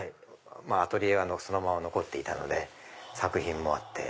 アトリエは残っていたので作品もあって。